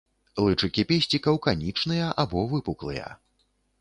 Лычыкі песцікаў канічныя або выпуклыя.